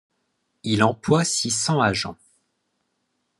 Il emploie six cents agents.